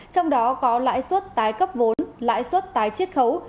trong đó có lãi suất tái cấp vốn lãi suất tái triết khấu